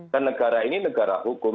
dan negara ini negara hukum